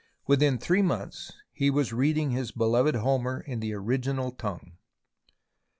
Within three months he was reading his beloved Homer in the original tongue.